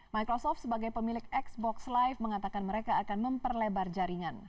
microsoft sebagai pemilik xbox life mengatakan mereka akan memperlebar jaringan